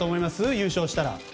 優勝したら。